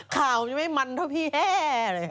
ข่าวยังไม่มันเท่าพี่แห้เลย